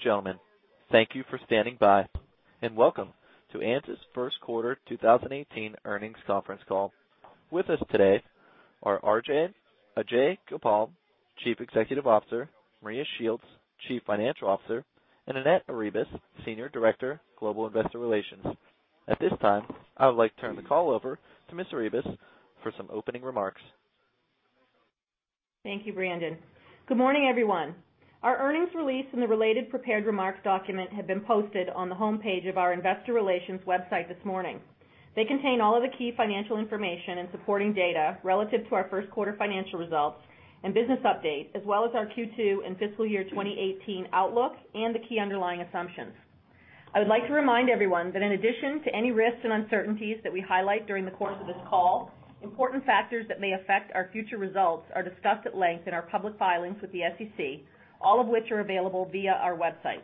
Ladies and gentlemen, thank you for standing by, and welcome to Ansys' first quarter 2018 earnings conference call. With us today are Ajei Gopal, Chief Executive Officer, Maria Shields, Chief Financial Officer, and Annette Arribas, Senior Director, Global Investor Relations. At this time, I would like to turn the call over to Ms. Arribas for some opening remarks. Thank you, Brandon. Good morning, everyone. Our earnings release and the related prepared remarks document have been posted on the homepage of our investor relations website this morning. They contain all of the key financial information and supporting data relative to our first quarter financial results and business update, as well as our Q2 and fiscal year 2018 outlook and the key underlying assumptions. I would like to remind everyone that in addition to any risks and uncertainties that we highlight during the course of this call, important factors that may affect our future results are discussed at length in our public filings with the SEC, all of which are available via our website.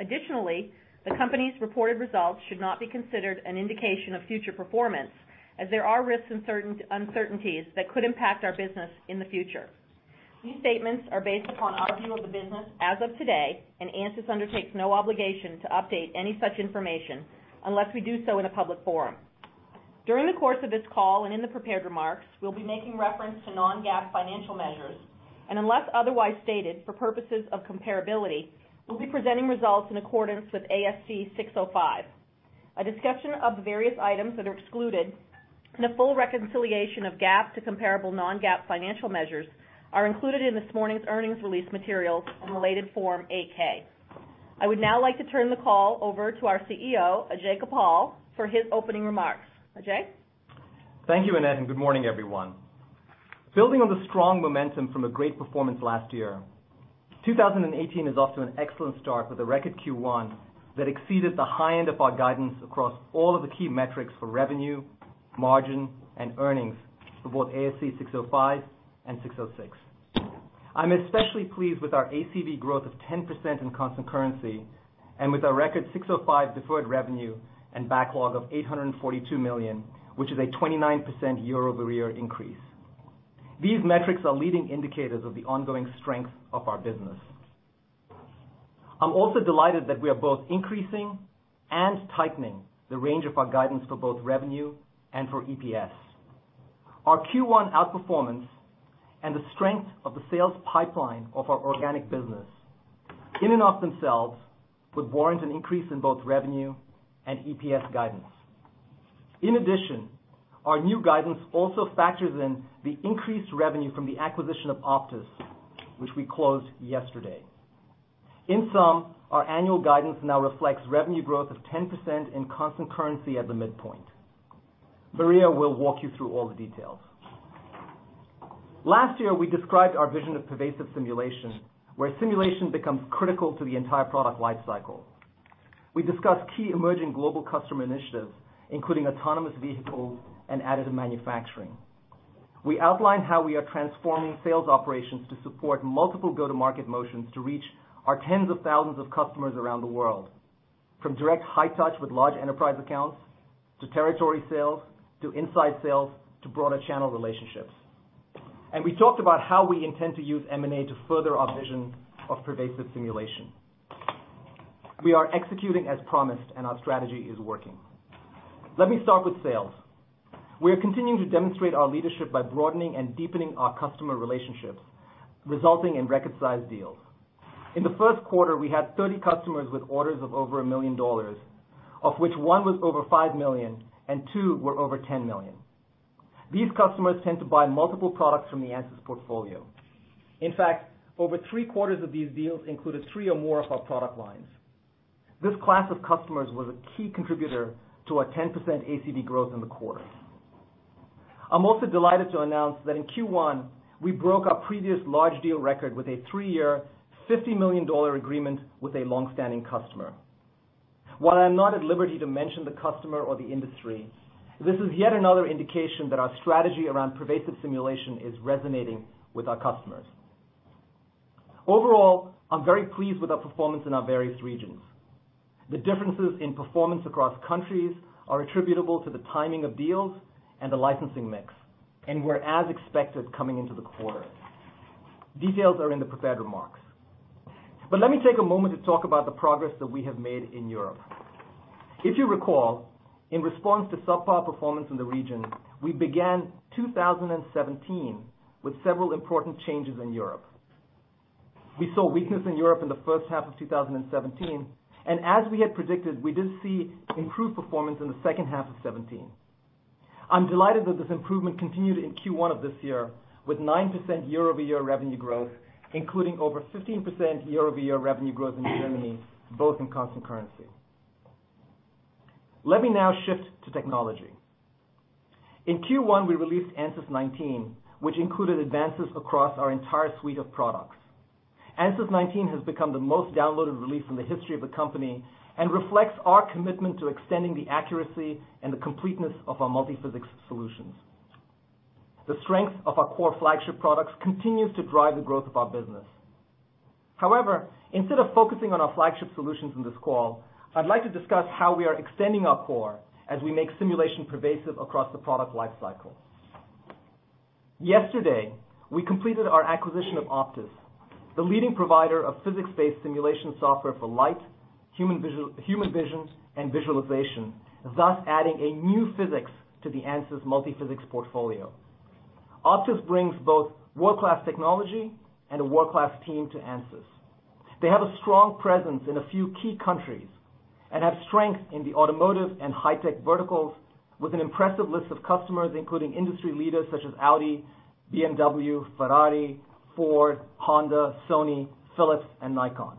Additionally, the company's reported results should not be considered an indication of future performance, as there are risks and uncertainties that could impact our business in the future. These statements are based upon our view of the business as of today. ANSYS undertakes no obligation to update any such information unless we do so in a public forum. During the course of this call and in the prepared remarks, we'll be making reference to non-GAAP financial measures. Unless otherwise stated, for purposes of comparability, we'll be presenting results in accordance with ASC 605. A discussion of the various items that are excluded and a full reconciliation of GAAP to comparable non-GAAP financial measures are included in this morning's earnings release materials and related Form 8-K. I would now like to turn the call over to our CEO, Ajei Gopal, for his opening remarks. Ajei? Thank you, Annette, and good morning, everyone. Building on the strong momentum from a great performance last year, 2018 is off to an excellent start with a record Q1 that exceeded the high end of our guidance across all of the key metrics for revenue, margin, and earnings for both ASC 605 and 606. I'm especially pleased with our ACV growth of 10% in constant currency, and with our record 605 deferred revenue and backlog of $842 million, which is a 29% year-over-year increase. These metrics are leading indicators of the ongoing strength of our business. I'm also delighted that we are both increasing and tightening the range of our guidance for both revenue and for EPS. Our Q1 outperformance and the strength of the sales pipeline of our organic business in and of themselves would warrant an increase in both revenue and EPS guidance. In addition, our new guidance also factors in the increased revenue from the acquisition of OPTIS, which we closed yesterday. In sum, our annual guidance now reflects revenue growth of 10% in constant currency at the midpoint. Maria will walk you through all the details. Last year, we described our vision of pervasive simulation, where simulation becomes critical to the entire product life cycle. We discussed key emerging global customer initiatives, including autonomous vehicles and additive manufacturing. We outlined how we are transforming sales operations to support multiple go-to-market motions to reach our tens of thousands of customers around the world, from direct high touch with large enterprise accounts, to territory sales, to inside sales, to broader channel relationships. We talked about how we intend to use M&A to further our vision of pervasive simulation. We are executing as promised, and our strategy is working. Let me start with sales. We are continuing to demonstrate our leadership by broadening and deepening our customer relationships, resulting in record-size deals. In the first quarter, we had 30 customers with orders of over $1 million, of which one was over $5 million and two were over $10 million. These customers tend to buy multiple products from the ANSYS portfolio. In fact, over three-quarters of these deals included three or more of our product lines. This class of customers was a key contributor to our 10% ACV growth in the quarter. I'm also delighted to announce that in Q1, we broke our previous large deal record with a three-year, $50 million agreement with a longstanding customer. While I'm not at liberty to mention the customer or the industry, this is yet another indication that our strategy around pervasive simulation is resonating with our customers. Overall, I'm very pleased with our performance in our various regions. The differences in performance across countries are attributable to the timing of deals and the licensing mix, and were as expected coming into the quarter. Details are in the prepared remarks. Let me take a moment to talk about the progress that we have made in Europe. If you recall, in response to subpar performance in the region, we began 2017 with several important changes in Europe. We saw weakness in Europe in the first half of 2017, and as we had predicted, we did see improved performance in the second half of 2017. I'm delighted that this improvement continued in Q1 of this year with 9% year-over-year revenue growth, including over 15% year-over-year revenue growth in Germany, both in constant currency. Let me now shift to technology. In Q1, we released ANSYS 19, which included advances across our entire suite of products. ANSYS 19 has become the most downloaded release in the history of the company and reflects our commitment to extending the accuracy and the completeness of our multiphysics solutions. However, instead of focusing on our flagship solutions in this call, I'd like to discuss how we are extending our core as we make simulation pervasive across the product life cycle. Yesterday, we completed our acquisition of OPTIS, the leading provider of physics-based simulation software for light, human vision, and visualization, thus adding a new physics to the ANSYS multiphysics portfolio. OPTIS brings both world-class technology and a world-class team to ANSYS. They have a strong presence in a few key countries and have strength in the automotive and high-tech verticals with an impressive list of customers, including industry leaders such as Audi, BMW, Ferrari, Ford, Honda, Sony, Philips, and Nikon.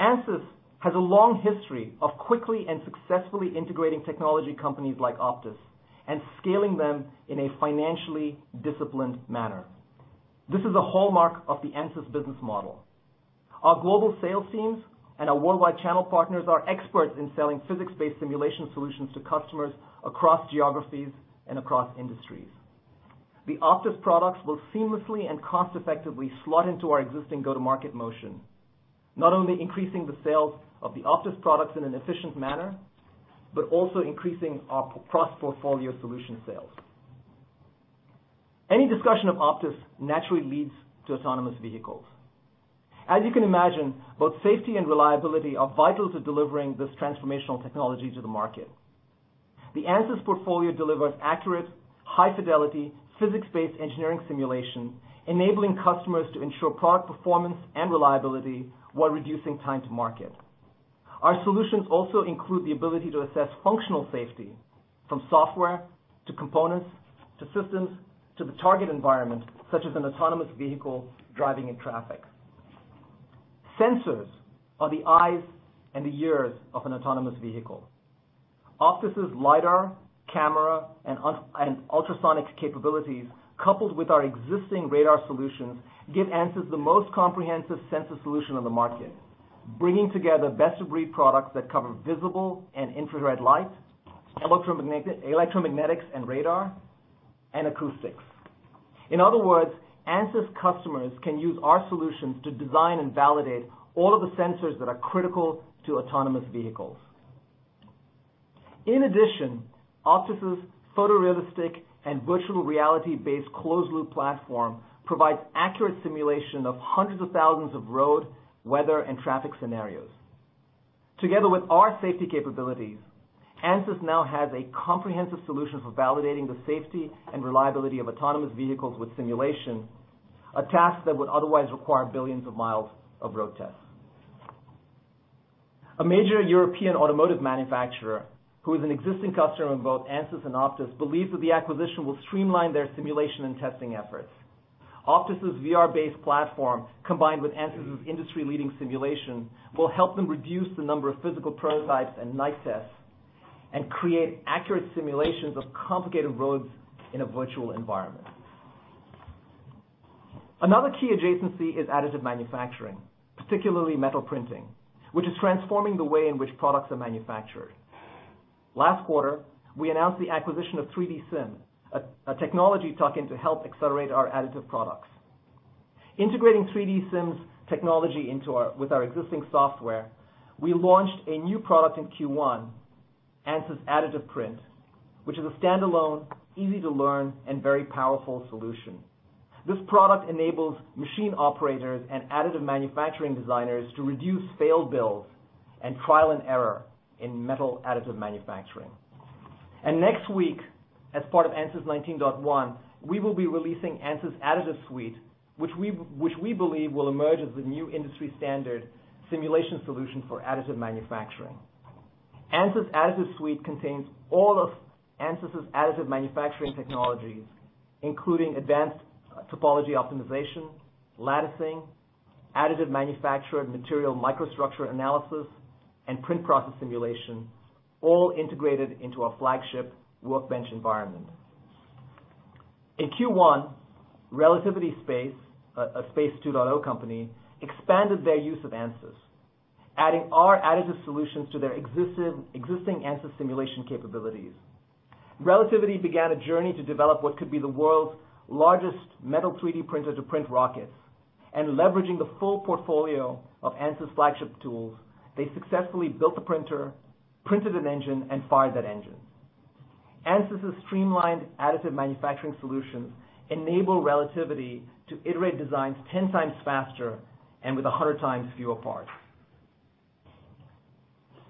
ANSYS has a long history of quickly and successfully integrating technology companies like OPTIS and scaling them in a financially disciplined manner. This is a hallmark of the ANSYS business model. Our global sales teams and our worldwide channel partners are experts in selling physics-based simulation solutions to customers across geographies and across industries. The OPTIS products will seamlessly and cost-effectively slot into our existing go-to-market motion, not only increasing the sales of the OPTIS products in an efficient manner, but also increasing our cross-portfolio solution sales. Any discussion of OPTIS naturally leads to autonomous vehicles. As you can imagine, both safety and reliability are vital to delivering this transformational technology to the market. The ANSYS portfolio delivers accurate, high-fidelity, physics-based engineering simulation, enabling customers to ensure product performance and reliability while reducing time to market. Our solutions also include the ability to assess functional safety from software, to components, to systems, to the target environment, such as an autonomous vehicle driving in traffic. Sensors are the eyes and the ears of an autonomous vehicle. OPTIS's lidar, camera, and ultrasonic capabilities, coupled with our existing radar solutions, give ANSYS the most comprehensive sensor solution on the market, bringing together best-of-breed products that cover visible and infrared light, electromagnetics and radar, and acoustics. In other words, ANSYS customers can use our solutions to design and validate all of the sensors that are critical to autonomous vehicles. In addition, OPTIS's photorealistic and virtual reality-based closed-loop platform provides accurate simulation of hundreds of thousands of road, weather, and traffic scenarios. Together with our safety capabilities, ANSYS now has a comprehensive solution for validating the safety and reliability of autonomous vehicles with simulation, a task that would otherwise require billions of miles of road tests. A major European automotive manufacturer, who is an existing customer of both ANSYS and OPTIS, believes that the acquisition will streamline their simulation and testing efforts. OPTIS's VR-based platform, combined with ANSYS's industry-leading simulation, will help them reduce the number of physical prototypes and night tests and create accurate simulations of complicated roads in a virtual environment. Another key adjacency is additive manufacturing, particularly metal printing, which is transforming the way in which products are manufactured. Last quarter, we announced the acquisition of 3DSIM, a technology tuck-in to help accelerate our additive products. Integrating 3DSIM's technology with our existing software, we launched a new product in Q1, ANSYS Additive Print, which is a standalone, easy-to-learn, and very powerful solution. This product enables machine operators and additive manufacturing designers to reduce failed builds and trial and error in metal additive manufacturing. Next week, as part of ANSYS 19.1, we will be releasing ANSYS Additive Suite, which we believe will emerge as the new industry-standard simulation solution for additive manufacturing. ANSYS Additive Suite contains all of ANSYS's additive manufacturing technologies, including advanced topology optimization, latticing, additive manufactured material microstructure analysis, and print process simulation, all integrated into our flagship Workbench environment. In Q1, Relativity Space, a Space 2.0 company, expanded their use of ANSYS, adding our additive solutions to their existing ANSYS simulation capabilities. Relativity began a journey to develop what could be the world's largest metal 3D printer to print rockets. Leveraging the full portfolio of ANSYS flagship tools, they successfully built the printer, printed an engine, and fired that engine. ANSYS's streamlined additive manufacturing solutions enable Relativity to iterate designs 10 times faster and with 100 times fewer parts.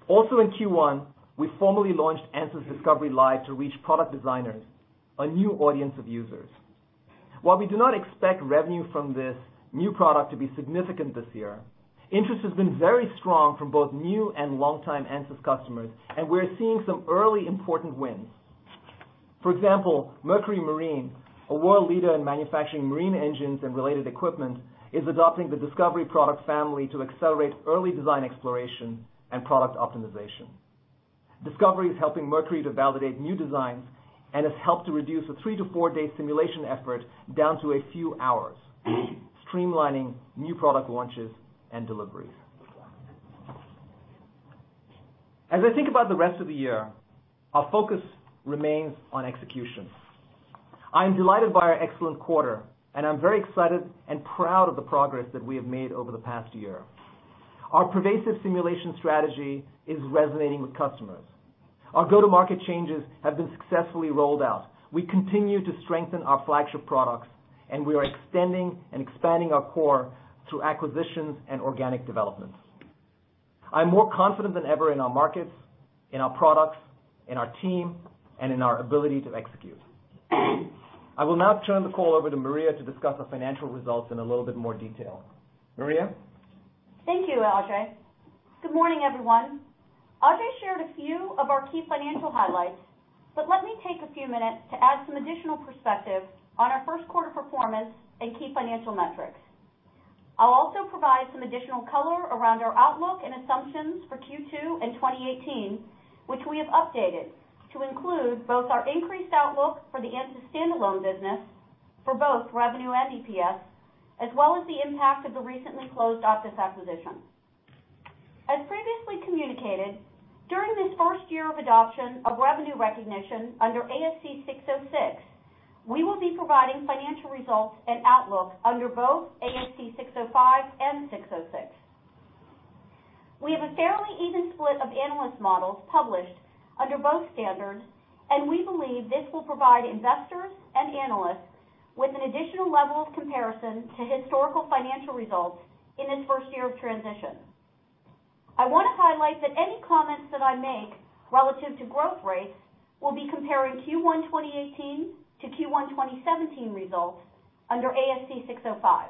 Also in Q1, we formally launched ANSYS Discovery Live to reach product designers, a new audience of users. While we do not expect revenue from this new product to be significant this year, interest has been very strong from both new and longtime ANSYS customers, and we are seeing some early important wins. For example, Mercury Marine, a world leader in manufacturing marine engines and related equipment, is adopting the Discovery product family to accelerate early design exploration and product optimization. Discovery is helping Mercury to validate new designs and has helped to reduce a three to four-day simulation effort down to a few hours, streamlining new product launches and deliveries. As I think about the rest of the year, our focus remains on execution. I am delighted by our excellent quarter, and I am very excited and proud of the progress that we have made over the past year. Our pervasive simulation strategy is resonating with customers. Our go-to-market changes have been successfully rolled out. We continue to strengthen our flagship products, and we are extending and expanding our core through acquisitions and organic developments. I am more confident than ever in our markets, in our products, in our team, and in our ability to execute. I will now turn the call over to Maria to discuss our financial results in a little bit more detail. Maria? Thank you, Ajei. Good morning, everyone. Ajei shared a few of our key financial highlights, but let me take a few minutes to add some additional perspective on our first quarter performance and key financial metrics. I will also provide some additional color around our outlook and assumptions for Q2 and 2018, which we have updated to include both our increased outlook for the ANSYS standalone business for both revenue and EPS, as well as the impact of the recently closed OPTIS acquisition. As previously communicated, during this first year of adoption of revenue recognition under ASC 606, we will be providing financial results and outlook under both ASC 605 and 606. We have a fairly even split of analyst models published under both standards, and we believe this will provide investors and analysts with an additional level of comparison to historical financial results in this first year of transition. I want to highlight that any comments that I make relative to growth rates will be comparing Q1 2018 to Q1 2017 results under ASC 605.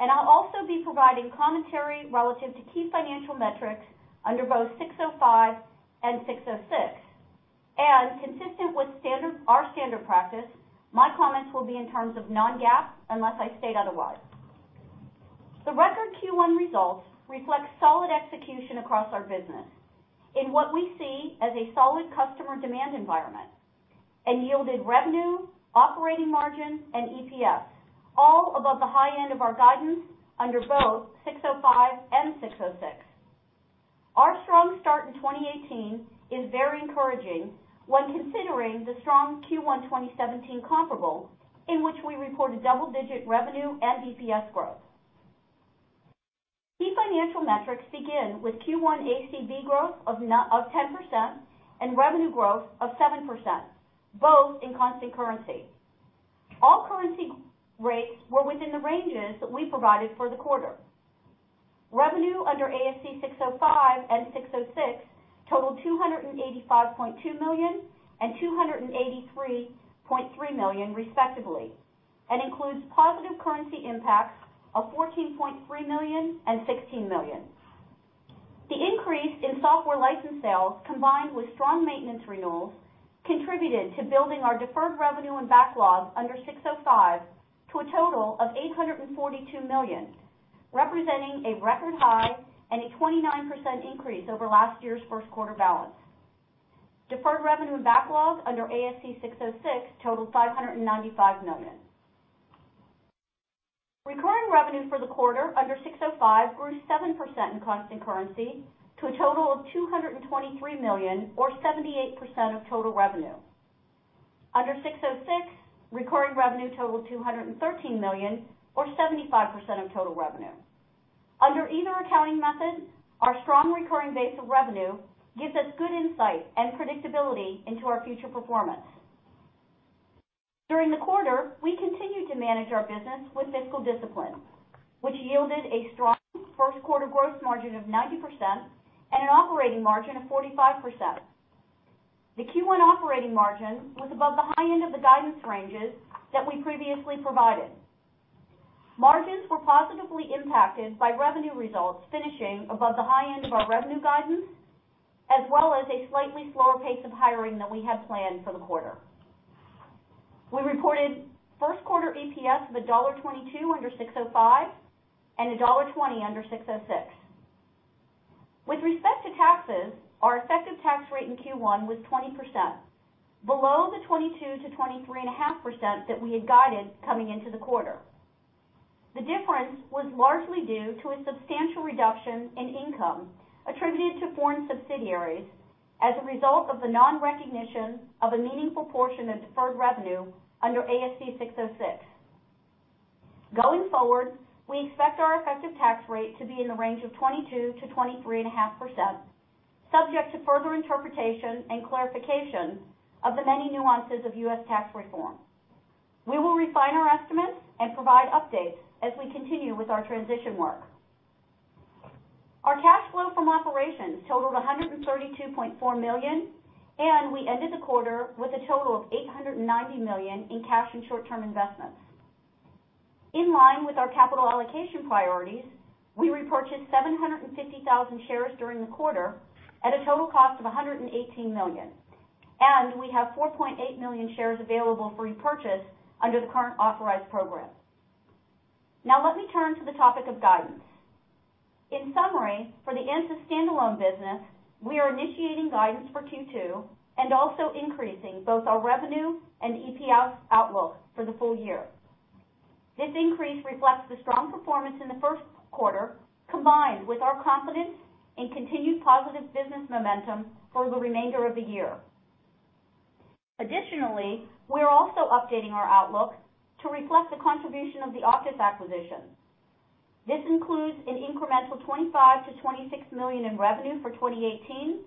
I will also be providing commentary relative to key financial metrics under both 605 and 606. Consistent with our standard practice, my comments will be in terms of non-GAAP, unless I state otherwise. The record Q1 results reflect solid execution across our business in what we see as a solid customer demand environment, and yielded revenue, operating margin, and EPS, all above the high end of our guidance under both 605 and 606. Our strong start in 2018 is very encouraging when considering the strong Q1 2017 comparable in which we reported double-digit revenue and EPS growth. Key financial metrics begin with Q1 ACV growth of 10% and revenue growth of 7%, both in constant currency. All currency rates were within the ranges that we provided for the quarter. Revenue under ASC 605 and 606 totaled $285.2 million and $283.3 million respectively, and includes positive currency impacts of $14.3 million and $16 million. The increase in software license sales combined with strong maintenance renewals contributed to building our deferred revenue and backlog under 605 to a total of $842 million, representing a record high and a 29% increase over last year's first quarter balance. Deferred revenue and backlog under ASC 606 totaled $595 million. Recurring revenue for the quarter under 605 grew 7% in constant currency to a total of $223 million or 78% of total revenue. Under 606, recurring revenue totaled $213 million or 75% of total revenue. Under either accounting method, our strong recurring base of revenue gives us good insight and predictability into our future performance. During the quarter, we continued to manage our business with fiscal discipline, which yielded a strong first quarter gross margin of 90% and an operating margin of 45%. The Q1 operating margin was above the high end of the guidance ranges that we previously provided. Margins were positively impacted by revenue results finishing above the high end of our revenue guidance, as well as a slightly slower pace of hiring than we had planned for the quarter. We reported first quarter EPS of $1.22 under 605 and $1.20 under 606. With respect to taxes, our effective tax rate in Q1 was 20%, below the 22%-23.5% that we had guided coming into the quarter. The difference was largely due to a substantial reduction in income attributed to foreign subsidiaries as a result of the non-recognition of a meaningful portion of deferred revenue under ASC 606. Going forward, we expect our effective tax rate to be in the range of 22%-23.5%, subject to further interpretation and clarification of the many nuances of U.S. tax reform. We will refine our estimates and provide updates as we continue with our transition work. Our cash flow from operations totaled $132.4 million, and we ended the quarter with a total of $890 million in cash and short-term investments. In line with our capital allocation priorities, we repurchased 750,000 shares during the quarter at a total cost of $118 million, and we have 4.8 million shares available for repurchase under the current authorized program. Let me turn to the topic of guidance. In summary, for the ANSYS standalone business, we are initiating guidance for Q2 and also increasing both our revenue and EPS outlook for the full year. This increase reflects the strong performance in the first quarter, combined with our confidence in continued positive business momentum for the remainder of the year. Additionally, we are also updating our outlook to reflect the contribution of the OPTIS acquisition. This includes an incremental $25 million-$26 million in revenue for 2018,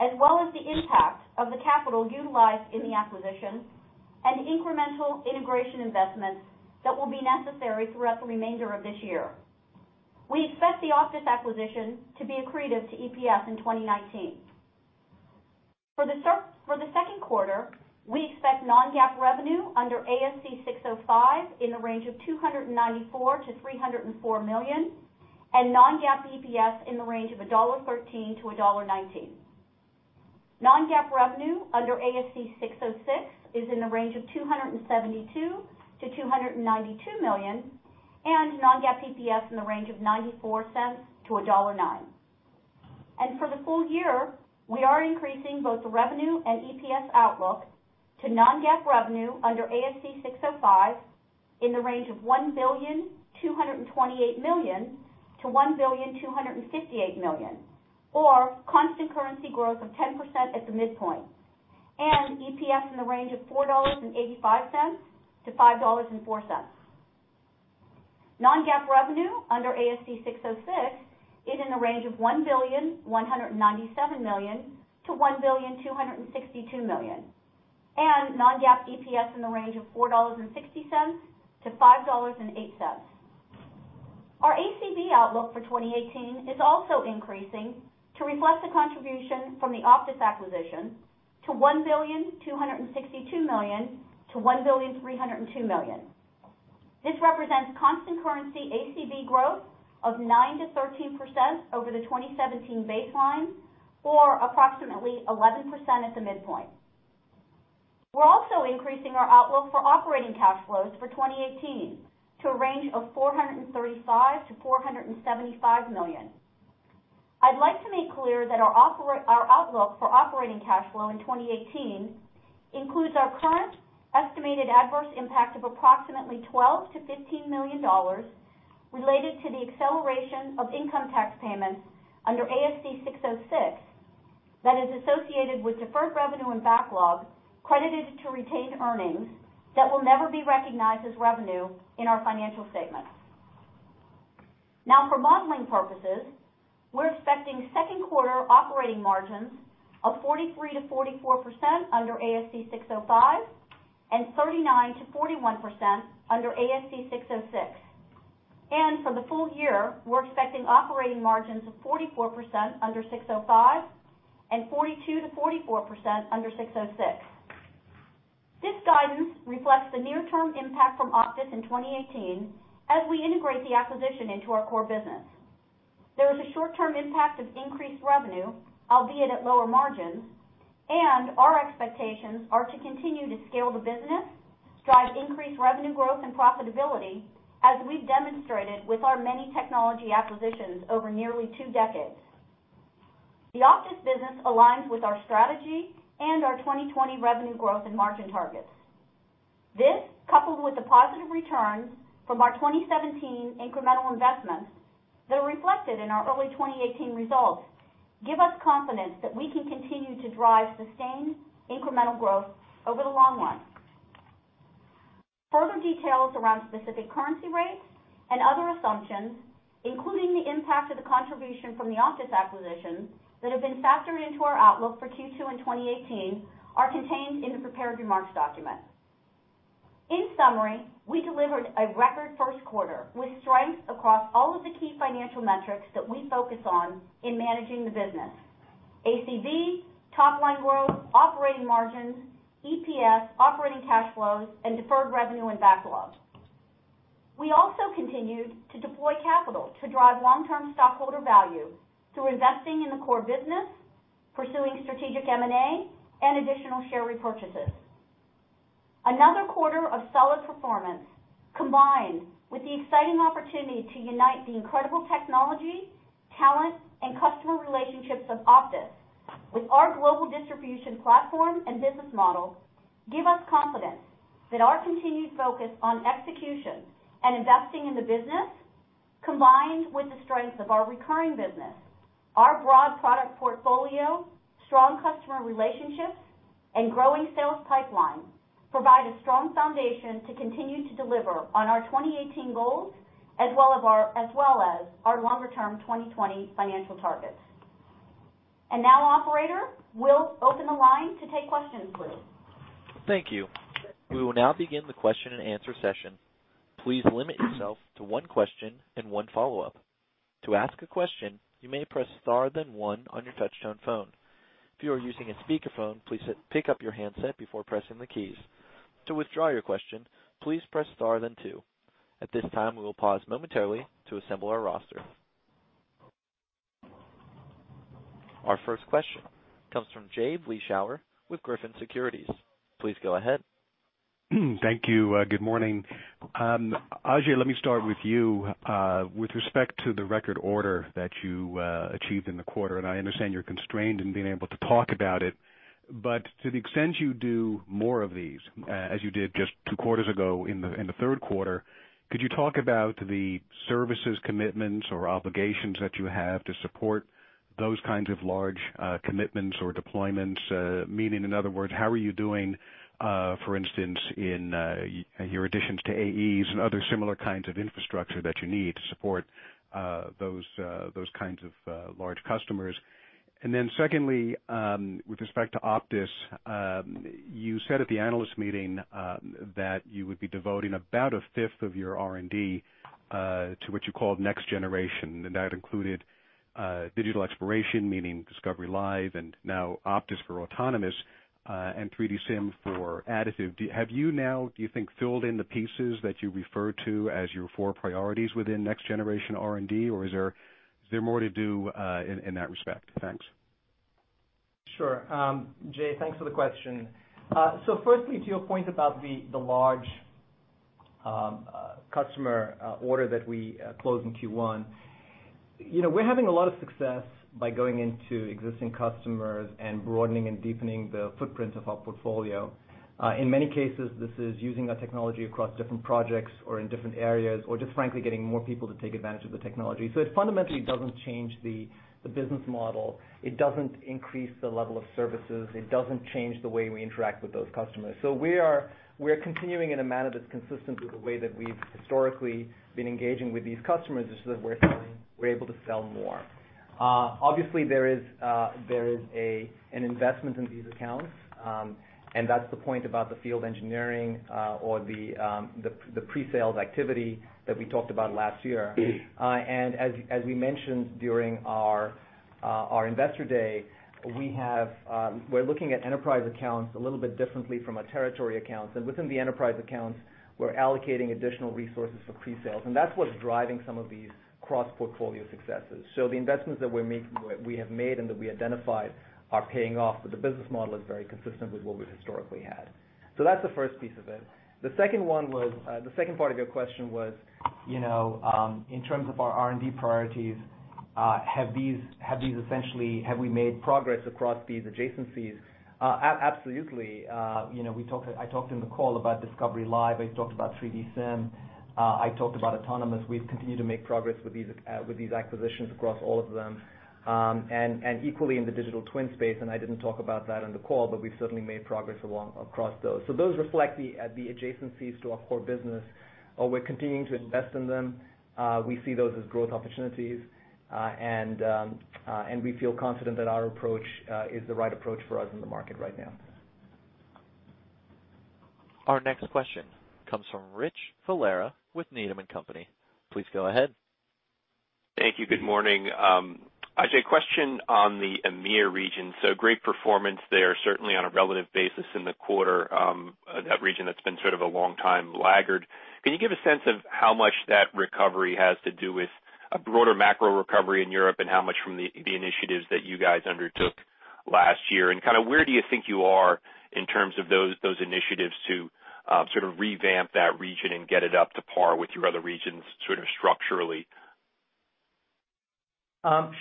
as well as the impact of the capital utilized in the acquisition and incremental integration investments that will be necessary throughout the remainder of this year. We expect the OPTIS acquisition to be accretive to EPS in 2019. For the second quarter, we expect non-GAAP revenue under ASC 605 in the range of $294 million-$304 million, and non-GAAP EPS in the range of $1.13-$1.19. Non-GAAP revenue under ASC 606 is in the range of $272 million-$292 million, and non-GAAP EPS in the range of $0.94-$1.09. For the full year, we are increasing both revenue and EPS outlook to non-GAAP revenue under ASC 605 in the range of $1.228 billion-$1.258 billion, or constant currency growth of 10% at the midpoint, and EPS in the range of $4.85-$5.04. Non-GAAP revenue under ASC 606 is in the range of $1.197 billion-$1.262 billion, and non-GAAP EPS in the range of $4.60-$5.08. Our ACV outlook for 2018 is also increasing to reflect the contribution from the OPTIS acquisition to $1.262 billion-$1.302 billion. This represents constant currency ACV growth of 9%-13% over the 2017 baseline, or approximately 11% at the midpoint. We are also increasing our outlook for operating cash flows for 2018 to a range of $435 million-$475 million. I'd like to make clear that our outlook for operating cash flow in 2018 includes our current estimated adverse impact of approximately $12 million-$15 million related to the acceleration of income tax payments under ASC 606 that is associated with deferred revenue and backlog credited to retained earnings that will never be recognized as revenue in our financial statements. For modeling purposes, we are expecting second quarter operating margins of 43%-44% under ASC 605 and 39%-41% under ASC 606. For the full year, we are expecting operating margins of 44% under 605 and 42%-44% under 606. This guidance reflects the near-term impact from OPTIS in 2018 as we integrate the acquisition into our core business. There is a short-term impact of increased revenue, albeit at lower margins. Our expectations are to continue to scale the business, drive increased revenue growth and profitability, as we have demonstrated with our many technology acquisitions over nearly two decades. The OPTIS business aligns with our strategy and our 2020 revenue growth and margin targets. This, coupled with the positive returns from our 2017 incremental investments that are reflected in our early 2018 results, give us confidence that we can continue to drive sustained incremental growth over the long run. Further details around specific currency rates and other assumptions, including the impact of the contribution from the OPTIS acquisition that have been factored into our outlook for Q2 in 2018, are contained in the prepared remarks document. In summary, we delivered a record first quarter with strength across all of the key financial metrics that we focus on in managing the business: ACV, top line growth, operating margins, EPS, operating cash flows, and deferred revenue and backlog. We also continued to deploy capital to drive long-term stockholder value through investing in the core business, pursuing strategic M&A, and additional share repurchases. Another quarter of solid performance, combined with the exciting opportunity to unite the incredible technology, talent, and customer relationships of OPTIS with our global distribution platform and business model give us confidence that our continued focus on execution and investing in the business, combined with the strength of our recurring business, our broad product portfolio, strong customer relationships, and growing sales pipeline, provide a strong foundation to continue to deliver on our 2018 goals as well as our longer-term 2020 financial targets. Now, operator, we'll open the line to take questions, please. Thank you. We will now begin the question and answer session. Please limit yourself to one question and one follow-up. To ask a question, you may press star then one on your touch-tone phone. If you are using a speakerphone, please pick up your handset before pressing the keys. To withdraw your question, please press star then two. At this time, we will pause momentarily to assemble our roster. Our first question comes from Jay Vleeschouwer with Griffin Securities. Please go ahead. Thank you. Good morning. Ajei, let me start with you with respect to the record order that you achieved in the quarter. I understand you're constrained in being able to talk about it, but to the extent you do more of these, as you did just two quarters ago in the third quarter, could you talk about the services commitments or obligations that you have to support those kinds of large commitments or deployments? Meaning, in other words, how are you doing, for instance, in your additions to AEs and other similar kinds of infrastructure that you need to support those kinds of large customers? Secondly, with respect to OPTIS, you said at the analyst meeting that you would be devoting about a fifth of your R&D to what you called next generation. That included ANSYS Discovery Live, now OPTIS for autonomous, and 3DSIM for additive. Have you now, do you think, filled in the pieces that you refer to as your four priorities within next generation R&D or is there more to do in that respect? Thanks. Sure. Jay, thanks for the question. Firstly, to your point about the large customer order that we closed in Q1. We're having a lot of success by going into existing customers and broadening and deepening the footprint of our portfolio. In many cases, this is using our technology across different projects or in different areas or just frankly getting more people to take advantage of the technology. It fundamentally doesn't change the business model. It doesn't increase the level of services. It doesn't change the way we interact with those customers. We are continuing in a manner that's consistent with the way that we've historically been engaging with these customers, it's just that we're able to sell more. Obviously, there is an investment in these accounts. That's the point about the field engineering, or the pre-sales activity that we talked about last year. As we mentioned during our investor day, we're looking at enterprise accounts a little bit differently from our territory accounts. Within the enterprise accounts, we're allocating additional resources for pre-sales, and that's what's driving some of these cross-portfolio successes. The investments that we have made and that we identified are paying off, but the business model is very consistent with what we've historically had. That's the first piece of it. The second part of your question was, in terms of our R&D priorities, essentially have we made progress across these adjacencies? Absolutely. I talked in the call about Discovery Live. I talked about 3DSIM. I talked about autonomous. We've continued to make progress with these acquisitions across all of them. Equally in the digital twin space, and I didn't talk about that on the call, but we've certainly made progress across those. Those reflect the adjacencies to our core business, and we're continuing to invest in them. We see those as growth opportunities. We feel confident that our approach is the right approach for us in the market right now. Our next question comes from Rich Valera with Needham & Company. Please go ahead. Thank you. Good morning. Ajei, question on the EMEA region. Great performance there, certainly on a relative basis in the quarter. That region that's been sort of a long time laggard. Can you give a sense of how much that recovery has to do with a broader macro recovery in Europe and how much from the initiatives that you guys undertook last year? Where do you think you are in terms of those initiatives to revamp that region and get it up to par with your other regions structurally?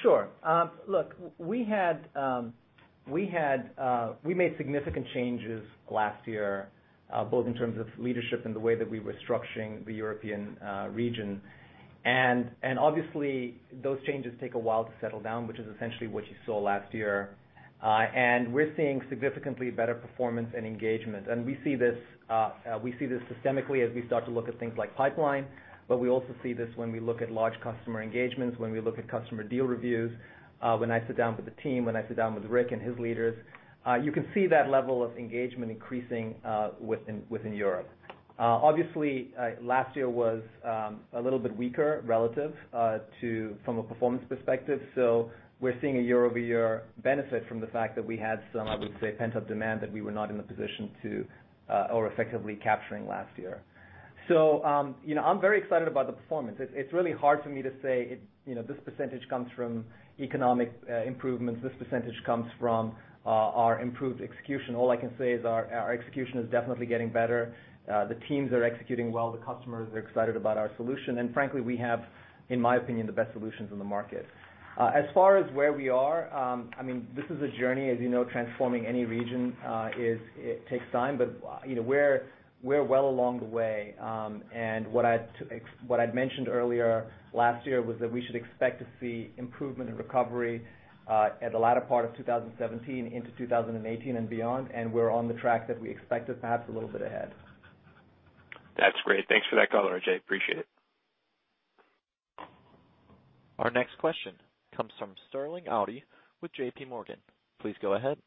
Sure. Look, we made significant changes last year, both in terms of leadership and the way that we were structuring the European region. Obviously, those changes take a while to settle down, which is essentially what you saw last year. We're seeing significantly better performance and engagement. We see this systemically as we start to look at things like pipeline, but we also see this when we look at large customer engagements, when we look at customer deal reviews, when I sit down with the team, when I sit down with Rick and his leaders. You can see that level of engagement increasing within Europe. Obviously, last year was a little bit weaker relative from a performance perspective. We're seeing a year-over-year benefit from the fact that we had some, I would say, pent-up demand that we were not in the position to or effectively capturing last year. I'm very excited about the performance. It's really hard for me to say this percentage comes from economic improvements, this percentage comes from our improved execution. All I can say is our execution is definitely getting better. The teams are executing well. The customers are excited about our solution. Frankly, we have, in my opinion, the best solutions in the market. As far as where we are, this is a journey. As you know, transforming any region takes time, but we're well along the way. What I'd mentioned earlier last year was that we should expect to see improvement and recovery at the latter part of 2017 into 2018 and beyond. We're on the track that we expected, perhaps a little bit ahead. That's great. Thanks for that color, Ajei. Appreciate it. Our next question comes from Sterling Auty with JPMorgan. Please go ahead.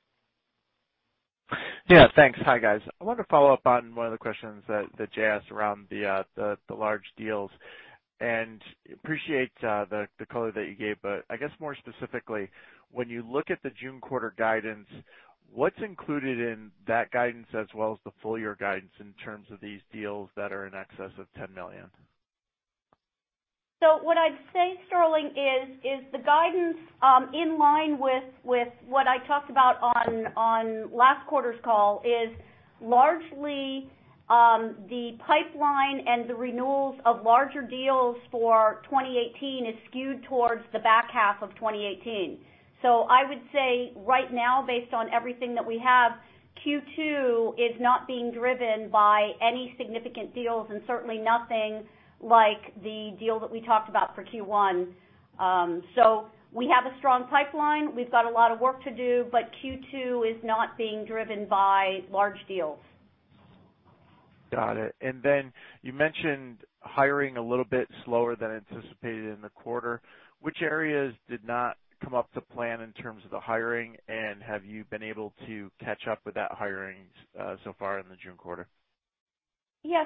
Thanks. Hi, guys. I wanted to follow up on one of the questions that Jay asked around the large deals. Appreciate the color that you gave. I guess more specifically, when you look at the June quarter guidance, what's included in that guidance as well as the full year guidance in terms of these deals that are in excess of $10 million? What I'd say, Sterling, is the guidance in line with what I talked about on last quarter's call is largely the pipeline and the renewals of larger deals for 2018 is skewed towards the back half of 2018. I would say right now, based on everything that we have, Q2 is not being driven by any significant deals and certainly nothing like the deal that we talked about for Q1. We have a strong pipeline. We've got a lot of work to do, Q2 is not being driven by large deals. Got it. You mentioned hiring a little bit slower than anticipated in the quarter. Which areas did not come up to plan in terms of the hiring, and have you been able to catch up with that hiring so far in the June quarter? Yeah.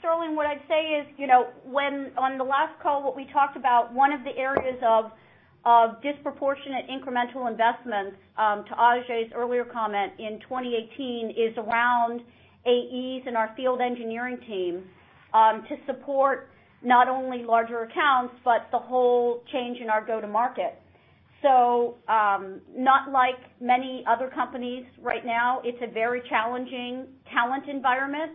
Sterling, what I'd say is, on the last call, what we talked about, one of the areas of disproportionate incremental investments, to Ajei's earlier comment, in 2018, is around AEs and our field engineering team, to support not only larger accounts, but the whole change in our go-to-market. Not like many other companies right now, it's a very challenging talent environment.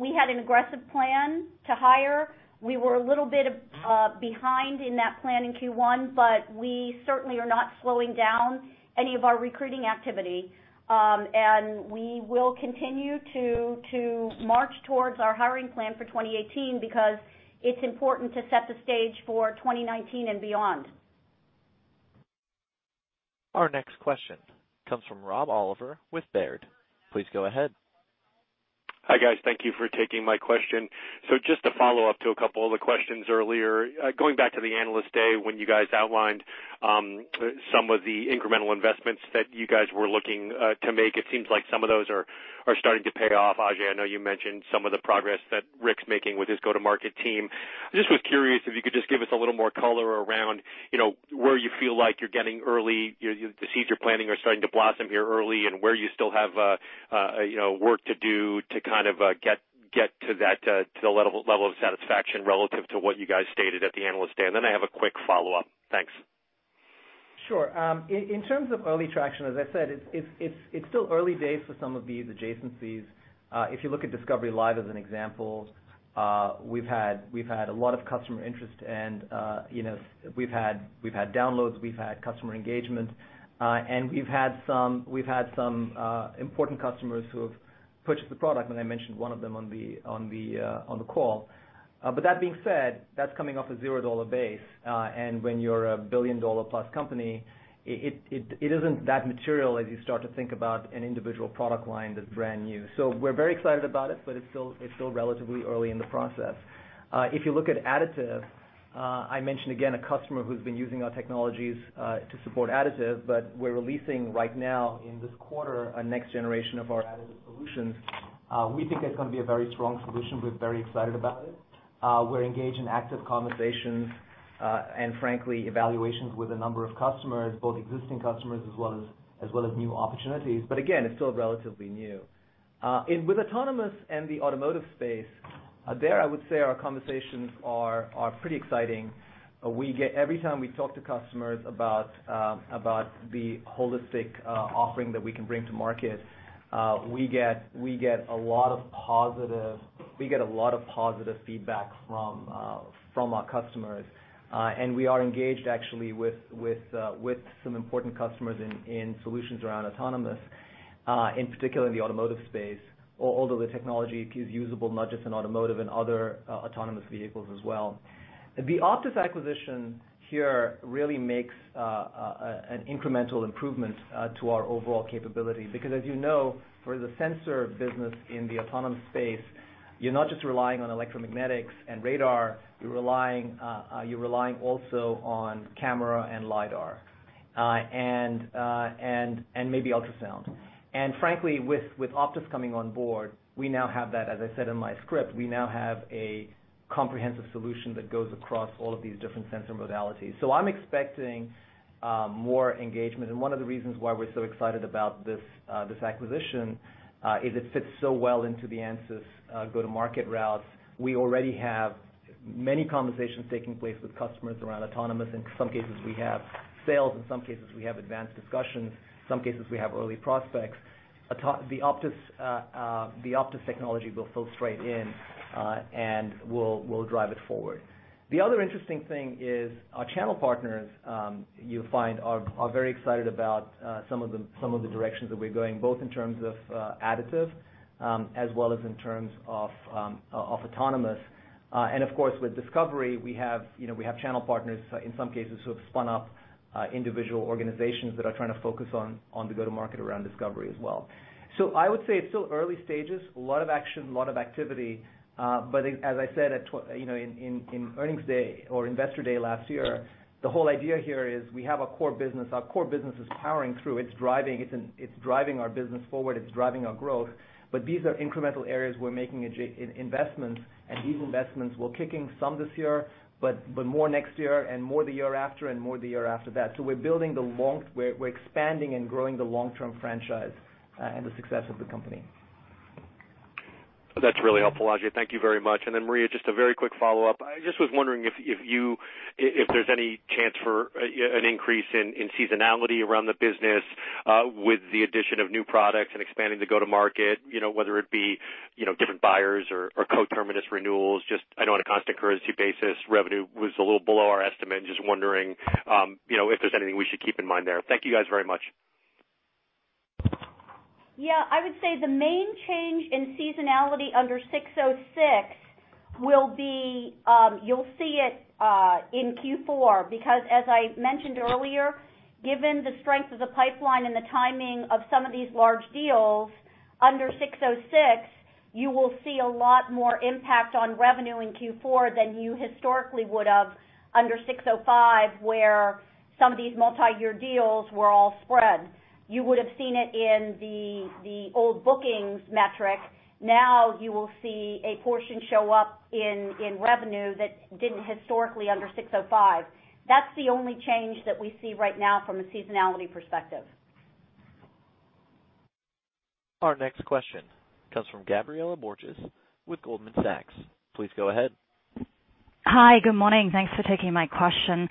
We had an aggressive plan to hire. We were a little bit behind in that plan in Q1, but we certainly are not slowing down any of our recruiting activity. We will continue to march towards our hiring plan for 2018 because it's important to set the stage for 2019 and beyond. Our next question comes from Robert Oliver with Baird. Please go ahead. Hi, guys. Thank you for taking my question. Just to follow up to a couple of the questions earlier. Going back to the Analyst Day when you guys outlined some of the incremental investments that you guys were looking to make, it seems like some of those are starting to pay off. Ajei, I know you mentioned some of the progress that Rick's making with his go-to-market team. I just was curious if you could just give us a little more color around where you feel like you're getting early, the seeds you're planting are starting to blossom here early, and where you still have work to do to kind of get to that level of satisfaction relative to what you guys stated at the Analyst Day. I have a quick follow-up. Thanks. Sure. In terms of early traction, as I said, it's still early days for some of these adjacencies. If you look at Discovery Live as an example, we've had a lot of customer interest and we've had downloads, we've had customer engagement, and we've had some important customers who have purchased the product, and I mentioned one of them on the call. That being said, that's coming off a $0 base. When you're a billion-dollar-plus company, it isn't that material as you start to think about an individual product line that's brand new. We're very excited about it, but it's still relatively early in the process. If you look at Additive, I mentioned again a customer who's been using our technologies to support Additive, we're releasing right now in this quarter a next generation of our Additive solutions. We think it's going to be a very strong solution. We're very excited about it. We're engaged in active conversations, and frankly, evaluations with a number of customers, both existing customers as well as new opportunities. Again, it's still relatively new. With autonomous and the automotive space, there I would say our conversations are pretty exciting. Every time we talk to customers about the holistic offering that we can bring to market, we get a lot of positive feedback from our customers. We are engaged actually with some important customers in solutions around autonomous, in particular in the automotive space, although the technology is usable not just in automotive, in other autonomous vehicles as well. The OPTIS acquisition here really makes an incremental improvement to our overall capability because as you know, for the sensor business in the autonomous space, you're not just relying on electromagnetics and radar, you're relying also on camera and lidar, and maybe ultrasound. Frankly, with OPTIS coming on board, we now have that, as I said in my script, we now have a comprehensive solution that goes across all of these different sensor modalities. I'm expecting more engagement, and one of the reasons why we're so excited about this acquisition, is it fits so well into the Ansys go-to-market routes. We already have many conversations taking place with customers around autonomous. In some cases we have sales, in some cases we have advanced discussions, some cases we have early prospects. The OPTIS technology will fill straight in, and we'll drive it forward. The other interesting thing is our channel partners, you'll find are very excited about some of the directions that we're going, both in terms of Additive, as well as in terms of autonomous. Of course, with Discovery, we have channel partners in some cases who have spun up individual organizations that are trying to focus on the go-to-market around Discovery as well. I would say it's still early stages. A lot of action, a lot of activity. As I said in earnings day or investor day last year, the whole idea here is we have a core business. Our core business is powering through. It's driving our business forward, it's driving our growth. These are incremental areas we're making investments, and these investments, we're kicking some this year, but more next year and more the year after and more the year after that. We're expanding and growing the long-term franchise, and the success of the company. That's really helpful, Ajei. Thank you very much. Maria, just a very quick follow-up. I just was wondering if there's any chance for an increase in seasonality around the business, with the addition of new products and expanding the go-to-market, whether it be different buyers or co-terminus renewals. I know on a constant currency basis, revenue was a little below our estimate and just wondering if there's anything we should keep in mind there. Thank you guys very much. I would say the main change in seasonality under 606 You'll see it in Q4, because as I mentioned earlier, given the strength of the pipeline and the timing of some of these large deals under 606, you will see a lot more impact on revenue in Q4 than you historically would have under 605, where some of these multi-year deals were all spread. You would have seen it in the old bookings metric. Now you will see a portion show up in revenue that didn't historically under 605. That's the only change that we see right now from a seasonality perspective. Our next question comes from Gabriela Borges with Goldman Sachs. Please go ahead. Hi. Good morning. Thanks for taking my question.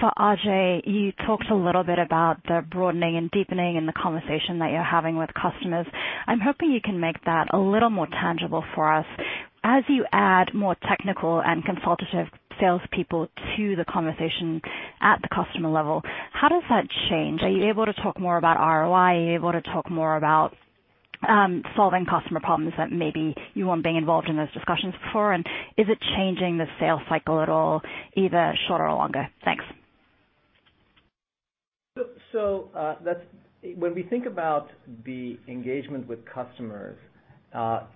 For Ajei, you talked a little bit about the broadening and deepening in the conversation that you're having with customers. I'm hoping you can make that a little more tangible for us. As you add more technical and consultative salespeople to the conversation at the customer level, how does that change? Are you able to talk more about ROI? Are you able to talk more about solving customer problems that maybe you weren't being involved in those discussions before, and is it changing the sales cycle at all, either shorter or longer? Thanks. When we think about the engagement with customers,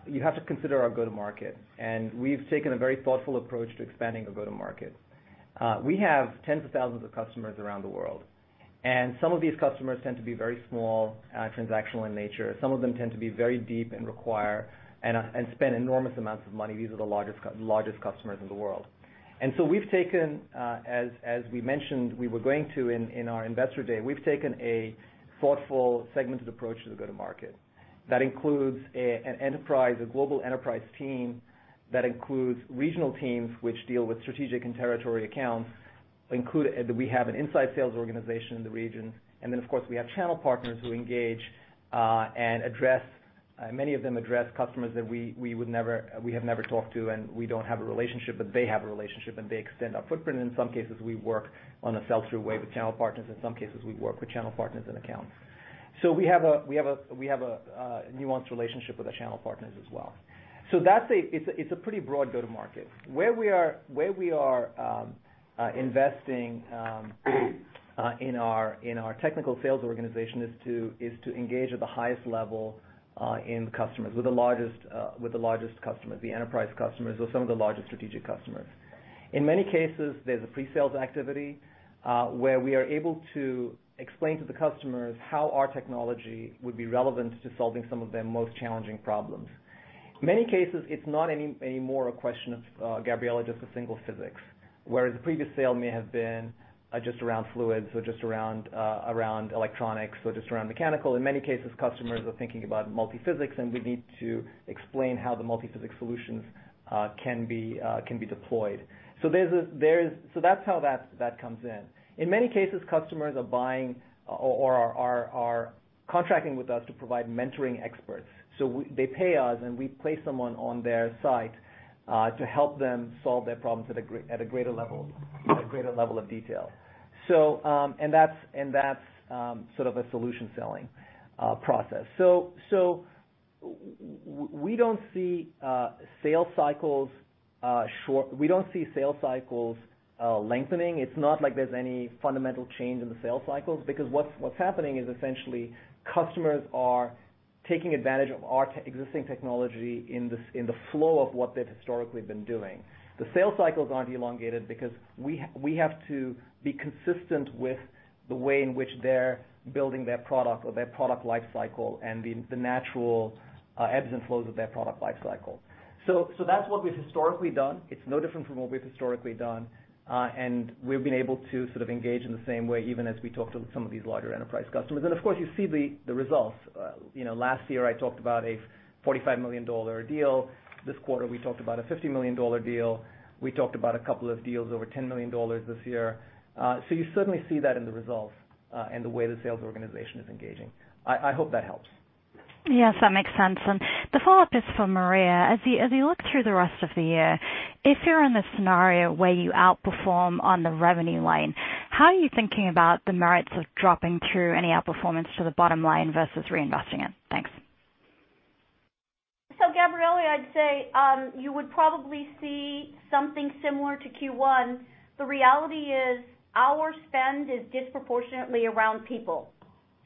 you have to consider our go-to market, and we've taken a very thoughtful approach to expanding our go-to market. We have tens of thousands of customers around the world, and some of these customers tend to be very small, transactional in nature. Some of them tend to be very deep and spend enormous amounts of money. These are the largest customers in the world. We've taken, as we mentioned we were going to in our Investor Day, we've taken a thoughtful, segmented approach to the go-to market. That includes an enterprise, a global enterprise team. That includes regional teams, which deal with strategic and territory accounts. We have an inside sales organization in the region, then, of course, we have channel partners who engage and many of them address customers that we have never talked to, and we don't have a relationship, but they have a relationship, and they extend our footprint. In some cases, we work on a sell-through way with channel partners. In some cases, we work with channel partners and accounts. We have a nuanced relationship with the channel partners as well. It's a pretty broad go-to market. Where we are investing in our technical sales organization is to engage at the highest level in customers, with the largest customers, the enterprise customers, or some of the largest strategic customers. In many cases, there's a pre-sales activity, where we are able to explain to the customers how our technology would be relevant to solving some of their most challenging problems. Many cases, it's not any more a question of, Gabriela, just a single physics, whereas the previous sale may have been just around fluids or just around electronics or just around mechanical. In many cases, customers are thinking about multiphysics, and we need to explain how the multiphysics solutions can be deployed. That's how that comes in. In many cases, customers are buying or are contracting with us to provide mentoring experts. They pay us, and we place someone on their site to help them solve their problems at a greater level of detail. That's a solution selling process. We don't see sales cycles lengthening. It's not like there's any fundamental change in the sales cycles, because what's happening is essentially customers are taking advantage of our existing technology in the flow of what they've historically been doing. The sales cycles aren't elongated because we have to be consistent with the way in which they're building their product or their product life cycle and the natural ebbs and flows of their product life cycle. That's what we've historically done. It's no different from what we've historically done. We've been able to engage in the same way, even as we talk to some of these larger enterprise customers. Of course, you see the results. Last year, I talked about a $45 million deal. This quarter, we talked about a $50 million deal. We talked about a couple of deals over $10 million this year. You certainly see that in the results, and the way the sales organization is engaging. I hope that helps. Yes, that makes sense. The follow-up is for Maria. As you look through the rest of the year, if you're in the scenario where you outperform on the revenue line, how are you thinking about the merits of dropping through any outperformance to the bottom line versus reinvesting it? Thanks. Gabriela, I'd say you would probably see something similar to Q1. The reality is our spend is disproportionately around people.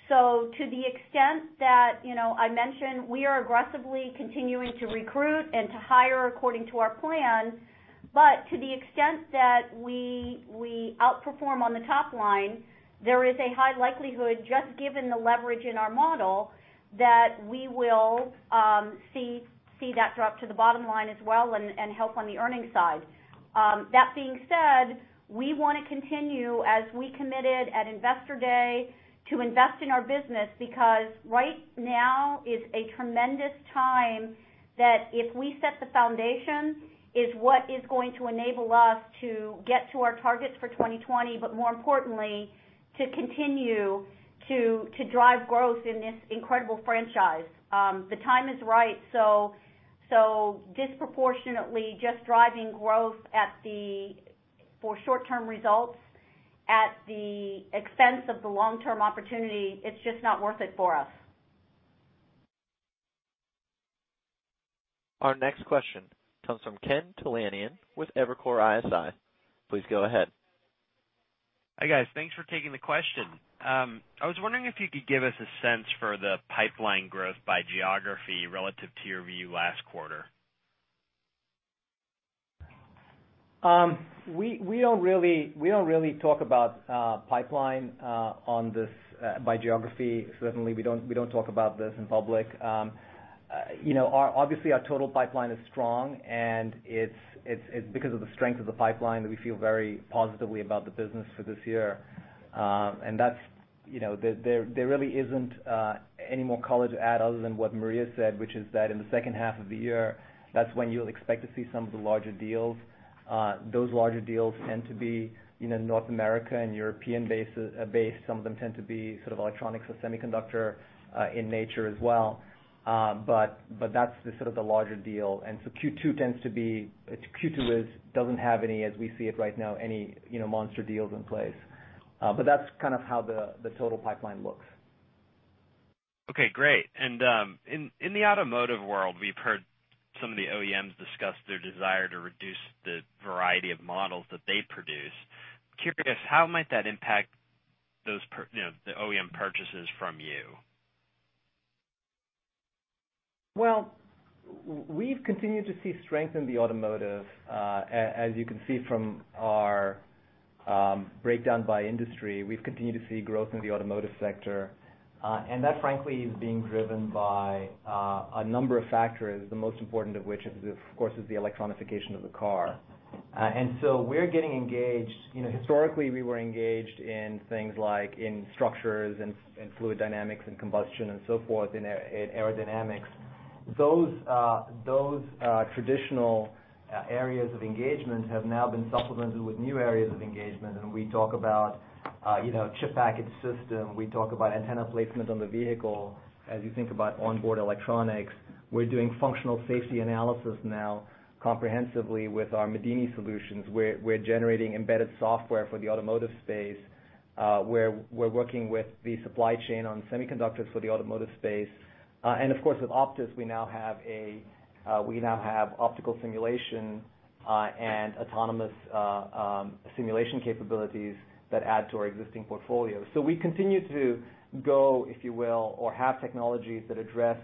To the extent that I mentioned, we are aggressively continuing to recruit and to hire according to our plan. To the extent that we outperform on the top line, there is a high likelihood, just given the leverage in our model, that we will see that drop to the bottom line as well and help on the earnings side. That being said, we want to continue, as we committed at Investor Day, to invest in our business because right now is a tremendous time that if we set the foundation, is what is going to enable us to get to our targets for 2020, but more importantly, to continue to drive growth in this incredible franchise. The time is right. Disproportionately just driving growth for short-term results at the expense of the long-term opportunity, it's just not worth it for us. Our next question comes from Ken Talanian with Evercore ISI. Please go ahead. Hi, guys. Thanks for taking the question. I was wondering if you could give us a sense for the pipeline growth by geography relative to your view last quarter. We don't really talk about pipeline by geography. Certainly, we don't talk about this in public. Obviously, our total pipeline is strong, and it's because of the strength of the pipeline that we feel very positively about the business for this year. There really isn't any more color to add other than what Maria said, which is that in the second half of the year, that's when you'll expect to see some of the larger deals. Those larger deals tend to be in North America and European-based. Some of them tend to be electronics or semiconductor in nature as well. That's the larger deal. Q2 doesn't have any, as we see it right now, any monster deals in place. That's kind of how the total pipeline looks. Okay, great. In the automotive world, we've heard some of the OEMs discuss their desire to reduce the variety of models that they produce. Curious, how might that impact the OEM purchases from you? We've continued to see strength in the automotive. As you can see from our breakdown by industry, we've continued to see growth in the automotive sector. That, frankly, is being driven by a number of factors, the most important of which, of course, is the electronification of the car. So we're getting engaged. Historically, we were engaged in things like in structures and fluid dynamics and combustion and so forth, in aerodynamics. Those traditional areas of engagement have now been supplemented with new areas of engagement. We talk about System in Package. We talk about antenna placement on the vehicle. As you think about onboard electronics, we're doing functional safety analysis now comprehensively with our medini solutions. We're generating embedded software for the automotive space, where we're working with the supply chain on semiconductors for the automotive space. Of course, with OPTIS, we now have optical simulation and autonomous simulation capabilities that add to our existing portfolio. We continue to go, if you will, or have technologies that address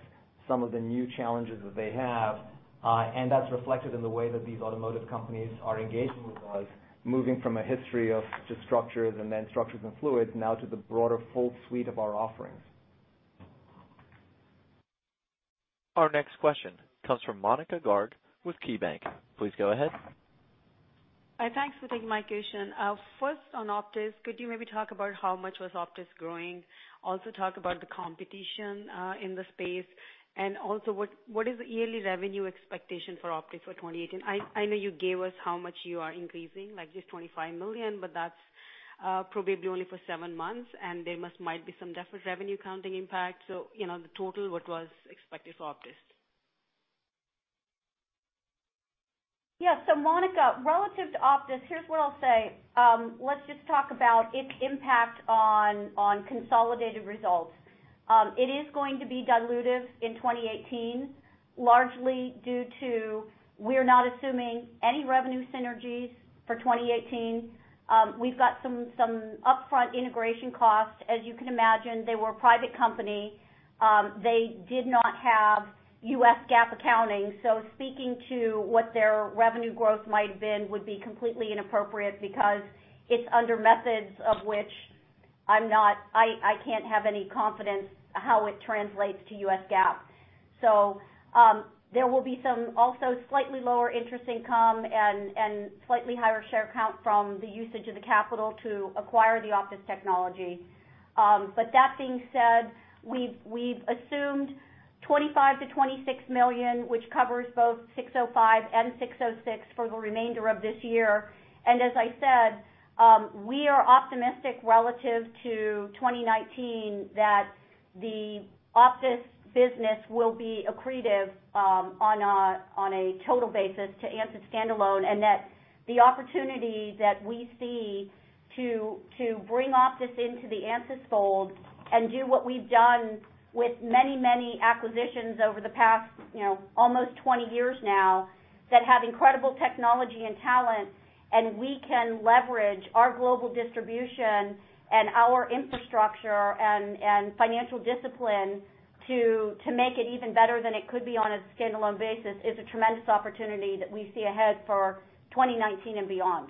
some of the new challenges that they have. That's reflected in the way that these automotive companies are engaging with us, moving from a history of just structures and then structures and fluids, now to the broader, full suite of our offerings. Our next question comes from Monika Garg with KeyBanc. Please go ahead. Thanks for taking my question. First, on OPTIS, could you maybe talk about how much was OPTIS growing? Talk about the competition in the space. What is the yearly revenue expectation for OPTIS for 2018? I know you gave us how much you are increasing, like just $25 million, but that's probably only for seven months, and there might be some deferred revenue counting impact. The total, what was expected for OPTIS? Monika, relative to OPTIS, here's what I'll say. Let's just talk about its impact on consolidated results. It is going to be dilutive in 2018, largely we're not assuming any revenue synergies for 2018. We've got some upfront integration costs. As you can imagine, they were a private company. They did not have US GAAP accounting. Speaking to what their revenue growth might have been would be completely inappropriate because it's under methods of which I can't have any confidence how it translates to US GAAP. There will be some also slightly lower interest income and slightly higher share count from the usage of the capital to acquire the OPTIS technology. That being said, we've assumed $25 million-$26 million, which covers both 605 and 606 for the remainder of this year. As I said, we are optimistic relative to 2019 that the OPTIS business will be accretive on a total basis to ANSYS standalone, and that the opportunity that we see to bring OPTIS into the ANSYS fold and do what we've done with many acquisitions over the past almost 20 years now that have incredible technology and talent, and we can leverage our global distribution and our infrastructure and financial discipline to make it even better than it could be on a standalone basis, is a tremendous opportunity that we see ahead for 2019 and beyond.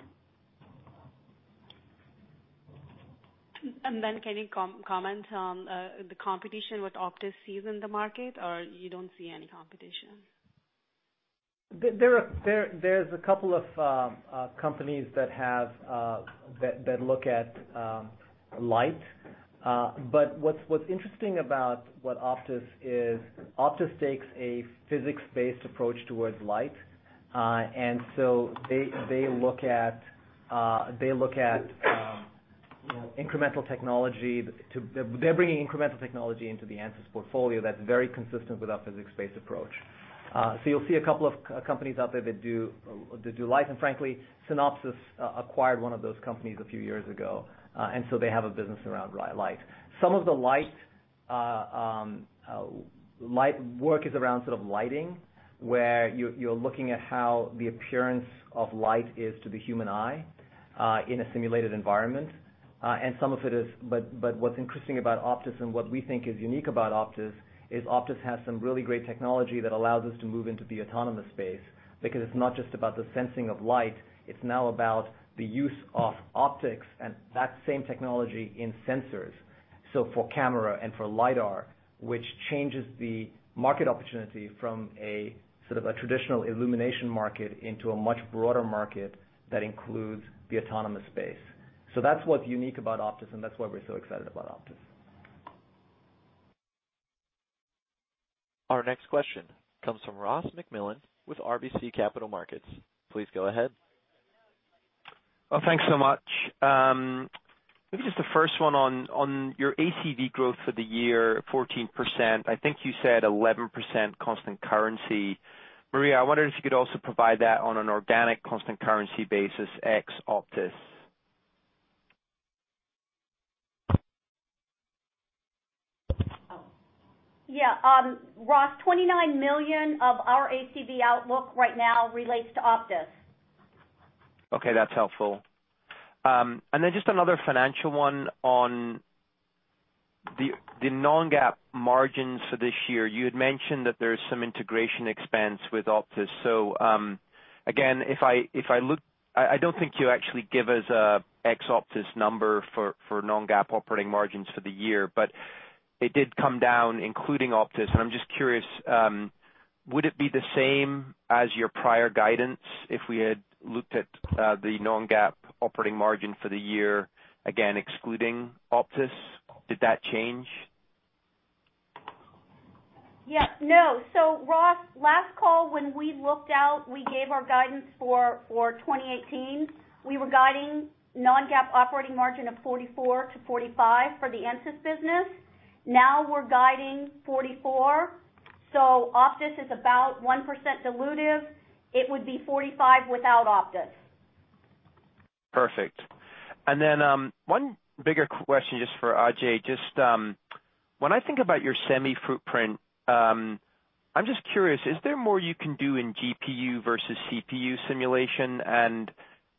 Can you comment on the competition what OPTIS sees in the market, or you don't see any competition? There's a couple of companies that look at light. What's interesting about what OPTIS is, OPTIS takes a physics-based approach towards light. They're bringing incremental technology into the ANSYS portfolio that's very consistent with our physics-based approach. You'll see a couple of companies out there that do light, and frankly, Synopsys acquired one of those companies a few years ago. They have a business around light. Some of the light work is around sort of lighting, where you're looking at how the appearance of light is to the human eye in a simulated environment. What's interesting about OPTIS and what we think is unique about OPTIS, is OPTIS has some really great technology that allows us to move into the autonomous space, because it's not just about the sensing of light, it's now about the use of optics and that same technology in sensors. For camera and for lidar, which changes the market opportunity from a sort of a traditional illumination market into a much broader market that includes the autonomous space. That's what's unique about OPTIS, and that's why we're so excited about OPTIS. Our next question comes from Ross MacMillan with RBC Capital Markets. Please go ahead. Well, thanks so much. Maybe just the first one on your ACV growth for the year, 14%, I think you said 11% constant currency. Maria, I wondered if you could also provide that on an organic constant currency basis, ex OPTIS. Yeah. Ross, $29 million of our ACV outlook right now relates to OPTIS. Okay, that's helpful. Then just another financial one on the non-GAAP margins for this year. You had mentioned that there is some integration expense with OPTIS. Again, I don't think you actually give us ex OPTIS number for non-GAAP operating margins for the year, but it did come down including OPTIS, and I'm just curious, would it be the same as your prior guidance if we had looked at the non-GAAP operating margin for the year, again, excluding OPTIS? Did that change? Yeah, no. Ross, last call, when we looked out, we gave our guidance for 2018. We were guiding non-GAAP operating margin of 44%-45% for the ANSYS business. Now we're guiding 44%. OPTIS is about 1% dilutive. It would be 45% without OPTIS. Perfect. Then, one bigger question just for Ajei. When I think about your semi footprint, I'm just curious, is there more you can do in GPU versus CPU simulation?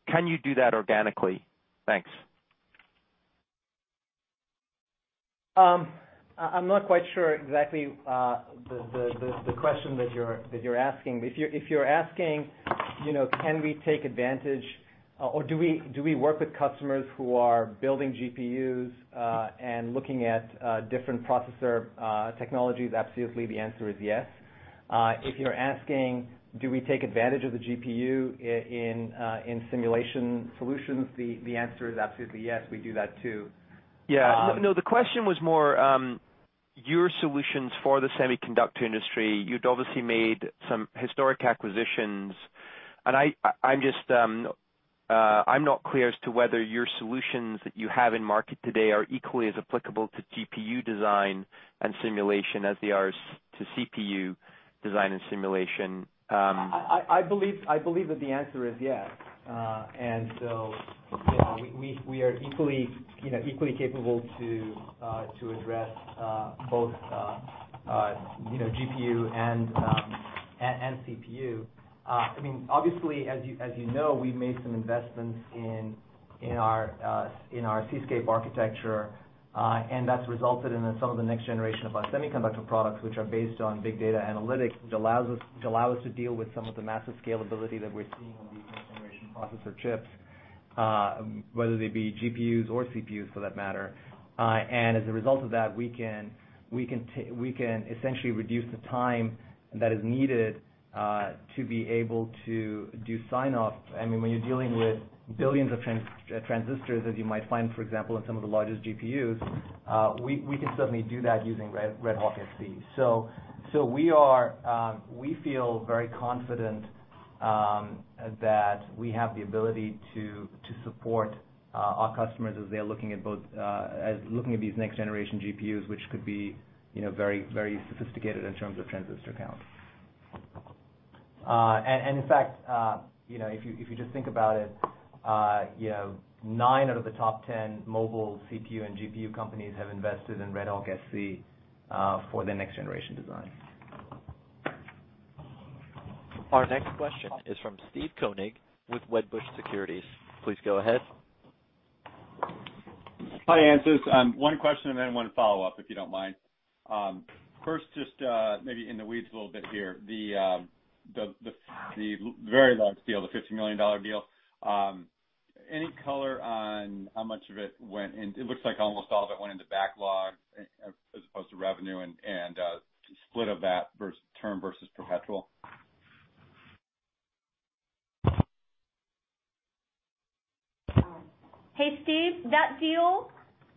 Can you do that organically? Thanks. I'm not quite sure exactly the question that you're asking. If you're asking can we take advantage or do we work with customers who are building GPUs and looking at different processor technologies, absolutely, the answer is yes. If you're asking, do we take advantage of the GPU in simulation solutions, the answer is absolutely yes, we do that too. Yeah. No, the question was more your solutions for the semiconductor industry. You'd obviously made some historic acquisitions, and I'm not clear as to whether your solutions that you have in market today are equally as applicable to GPU design and simulation as they are to CPU design and simulation. I believe that the answer is yes. We are equally capable to address both GPU and CPU. Obviously, as you know, we've made some investments in our SeaScape architecture, and that's resulted in some of the next generation of our semiconductor products, which are based on big data analytics, which allow us to deal with some of the massive scalability that we're seeing on these next generation processor chips, whether they be GPUs or CPUs for that matter. As a result of that, we can essentially reduce the time that is needed, to be able to do sign off. When you're dealing with billions of transistors, as you might find, for example, in some of the largest GPUs, we can certainly do that using RedHawk-SC. We feel very confident that we have the ability to support our customers as they're looking at these next generation GPUs, which could be very sophisticated in terms of transistor count. In fact, if you just think about it, nine out of the top 10 mobile CPU and GPU companies have invested in RedHawk-SC, for their next generation design. Our next question is from Steve Koenig with Wedbush Securities. Please go ahead. Hi, Ansys. One question and then one follow-up, if you don't mind. First just maybe in the weeds a little bit here. The very large deal, the $50 million deal, It looks like almost all of it went into backlog as opposed to revenue, and split of that term versus perpetual. Hey, Steve. That deal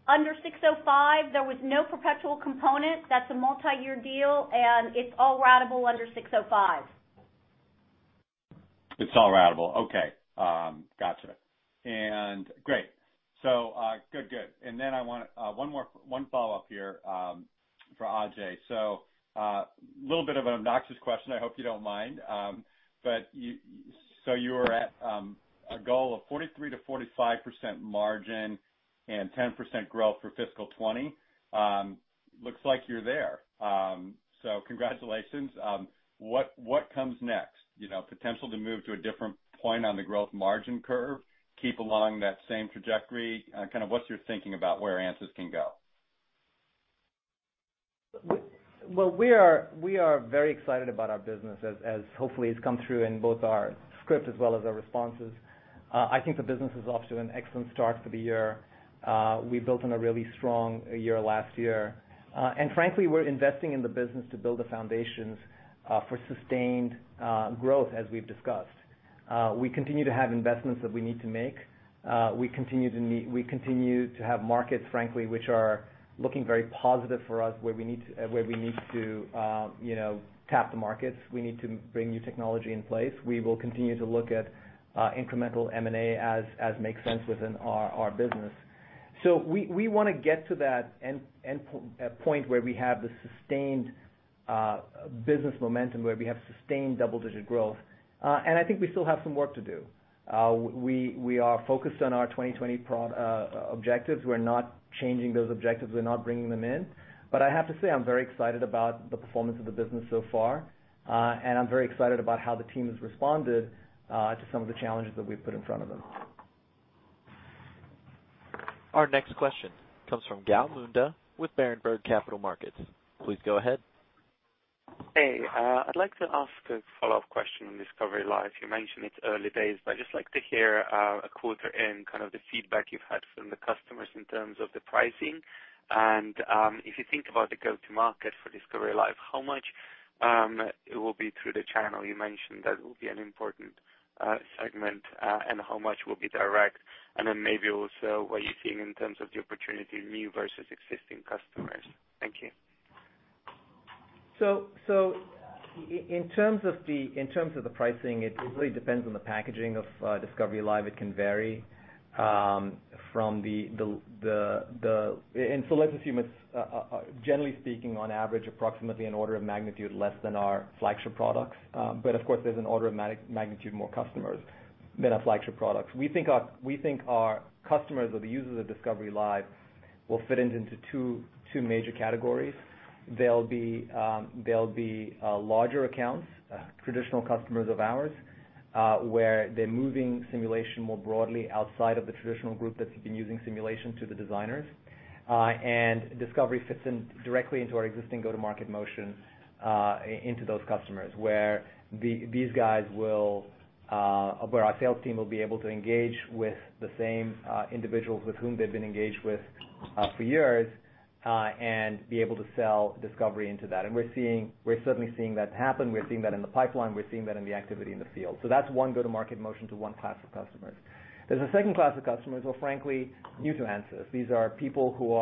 under 605, there was no perpetual component. That's a multi-year deal. It's all ratable under 605. It's all ratable. Okay. Got you. Great. Good. Then I want one follow-up here for Ajei. A little bit of an obnoxious question, I hope you don't mind. You were at a goal of 43%-45% margin and 10% growth for fiscal 2020. Looks like you're there. Congratulations. What comes next? Potential to move to a different point on the growth margin curve, keep along that same trajectory? Kind of what's your thinking about where Ansys can go? Well, we are very excited about our business as hopefully it's come through in both our script as well as our responses. I think the business is off to an excellent start for the year. We built on a really strong year last year. Frankly, we're investing in the business to build the foundations for sustained growth as we've discussed. We continue to have investments that we need to make. We continue to have markets, frankly, which are looking very positive for us, where we need to tap the markets. We need to bring new technology in place. We will continue to look at incremental M&A as makes sense within our business. We want to get to that end point where we have the sustained business momentum, where we have sustained double-digit growth. I think we still have some work to do. We are focused on our 2020 objectives. We're not changing those objectives. We're not bringing them in. I have to say, I'm very excited about the performance of the business so far. I'm very excited about how the team has responded to some of the challenges that we've put in front of them. Our next question comes from Gal Munda with Berenberg Capital Markets. Please go ahead. Hey. I'd like to ask a follow-up question on Discovery Live. You mentioned it's early days, I'd just like to hear a quarter in, kind of the feedback you've had from the customers in terms of the pricing. If you think about the go-to market for Discovery Live, how much it will be through the channel? You mentioned that it will be an important segment. How much will be direct? Then maybe also what you're seeing in terms of the opportunity, new versus existing customers. Thank you. In terms of the pricing, it really depends on the packaging of Discovery Live. It can vary from the let's assume it's, generally speaking, on average, approximately an order of magnitude less than our flagship products. Of course, there's an order of magnitude more customers than our flagship products. We think our customers or the users of Discovery Live will fit into two major categories. They'll be larger accounts, traditional customers of ours, where they're moving simulation more broadly outside of the traditional group that's been using simulation to the designers. Discovery fits in directly into our existing go-to-market motion, into those customers, where our sales team will be able to engage with the same individuals with whom they've been engaged with for years, and be able to sell Discovery into that. We're certainly seeing that happen. We're seeing that in the pipeline. We're seeing that in the activity in the field. That's one go-to-market motion to one class of customers. There's a second class of customers who are, frankly, new to ANSYS. These are people who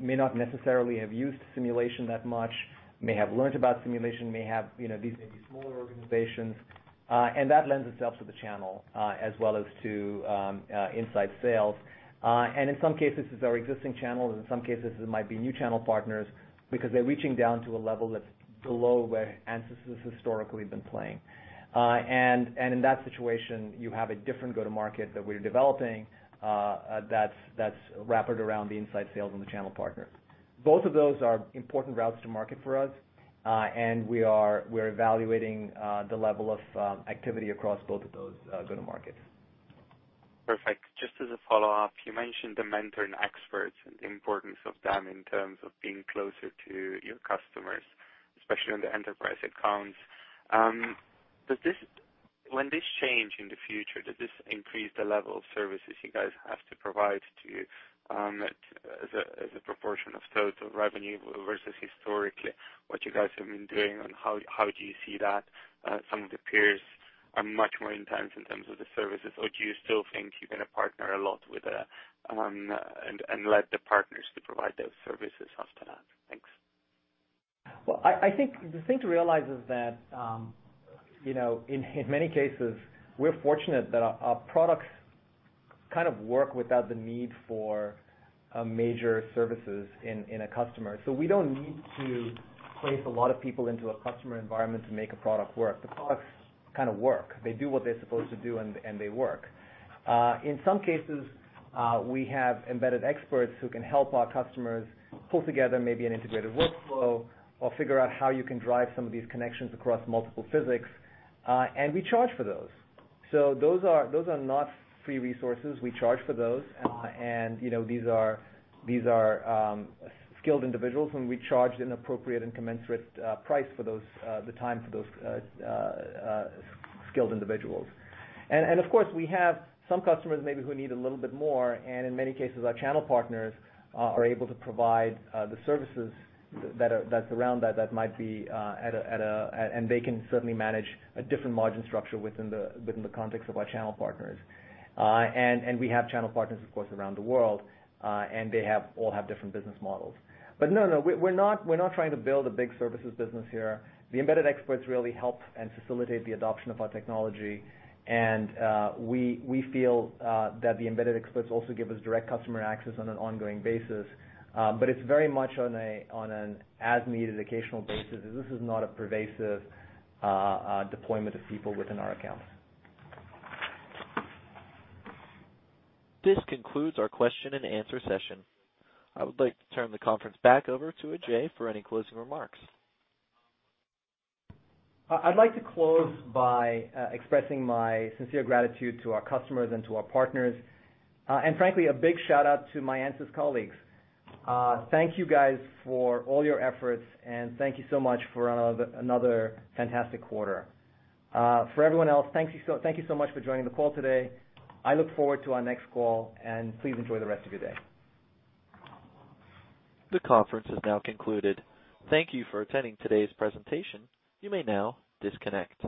may not necessarily have used simulation that much, may have learned about simulation, these may be smaller organizations. That lends itself to the channel, as well as to inside sales. In some cases, it's our existing channels, in some cases, it might be new channel partners because they're reaching down to a level that's below where ANSYS has historically been playing. In that situation, you have a different go-to-market that we're developing that's wrapped around the inside sales and the channel partner. Both of those are important routes to market for us. We're evaluating the level of activity across both of those go-to markets. Perfect. Just as a follow-up, you mentioned the mentor and experts and the importance of them in terms of being closer to your customers, especially on the enterprise accounts. When this change in the future, does this increase the level of services you guys have to provide to, as a proportion of total revenue versus historically what you guys have been doing, and how do you see that? Some of the peers are much more intense in terms of the services. Or do you still think you're going to partner a lot with let the partners to provide those services after that? Thanks. Well, I think the thing to realize is that, in many cases, we're fortunate that our products kind of work without the need for major services in a customer. We don't need to place a lot of people into a customer environment to make a product work. The products kind of work. They do what they're supposed to do, and they work. In some cases, we have embedded experts who can help our customers pull together maybe an integrated workflow or figure out how you can drive some of these connections across multiple physics, and we charge for those. Those are not free resources. We charge for those. These are skilled individuals, and we charge an appropriate and commensurate price for the time for those skilled individuals. Of course, we have some customers maybe who need a little bit more, and in many cases, our channel partners are able to provide the services that's around that might be at a. They can certainly manage a different margin structure within the context of our channel partners. We have channel partners, of course, around the world. They all have different business models. No, we're not trying to build a big services business here. The embedded experts really help and facilitate the adoption of our technology. We feel that the embedded experts also give us direct customer access on an ongoing basis. It's very much on an as-needed, occasional basis. This is not a pervasive deployment of people within our accounts. This concludes our question and answer session. I would like to turn the conference back over to Ajei for any closing remarks. I'd like to close by expressing my sincere gratitude to our customers and to our partners. Frankly, a big shout-out to my ANSYS colleagues. Thank you guys for all your efforts, and thank you so much for another fantastic quarter. For everyone else, thank you so much for joining the call today. I look forward to our next call, and please enjoy the rest of your day. The conference is now concluded. Thank you for attending today's presentation. You may now disconnect.